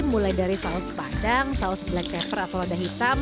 mulai dari saus padang saus black pepper atau lada hitam